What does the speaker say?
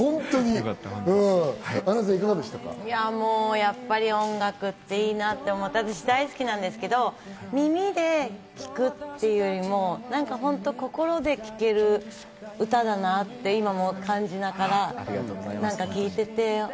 やっぱり音楽っていいなって思って、私、大好きなんですけど、耳で聴くっていうよりも心で聴ける歌だなって今も感じながら聴いていて。